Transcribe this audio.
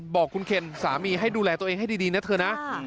บอกคุณเคนสามีให้ดูแลตัวเองให้ดีนะเธอนะ